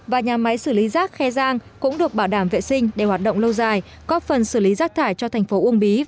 và nhà máy xử lý rác khe giang cũng được bảo đảm vệ sinh để hoạt động lâu dài góp phần xử lý rác thải cho thành phố uông bí